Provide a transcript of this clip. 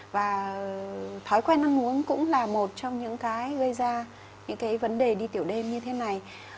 và thói quen ăn uống cũng là một trong những cái gây ra những cái vấn đề đi tiểu đêm như thế này